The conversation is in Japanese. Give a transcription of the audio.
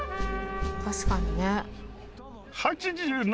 確かにね。